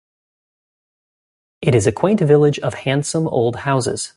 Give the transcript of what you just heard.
It is a quaint village of handsome old houses.